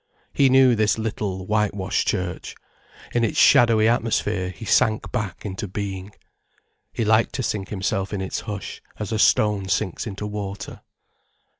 He knew this little, whitewashed church. In its shadowy atmosphere he sank back into being. He liked to sink himself in its hush as a stone sinks into water.